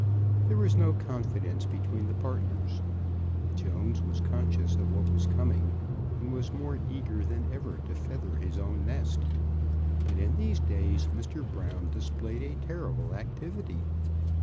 There was no confidence between the partners. Jones was conscious of what was coming and was more eager than ever to feather his own nest. But in these days Mr. Brown displayed a terrible activity.